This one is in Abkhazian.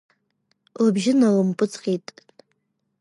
Лыбжьы налымпыҵҟьеит.